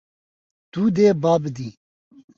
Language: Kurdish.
Tu dê ba bidî.